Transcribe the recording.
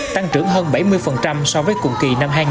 tăng trưởng hơn bảy mươi so với cùng kỳ năm hai nghìn hai mươi ba